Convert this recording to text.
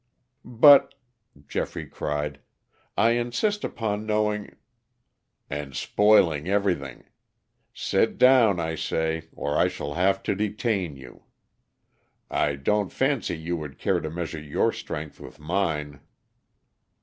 "But," Geoffrey cried, "I insist upon knowing " "And spoiling everything. Sit down, I say, or I shall have to detain you. I don't fancy you would care to measure your strength with mine."